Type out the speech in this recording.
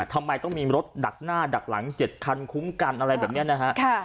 ทำไมต้องมีรถดักหน้าดักหลัง๗คันคุ้มกันอะไรแบบนี้นะฮะ